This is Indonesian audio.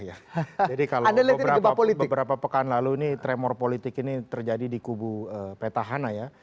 jadi kalau beberapa pekan lalu ini tremor politik ini terjadi di kubu petahana ya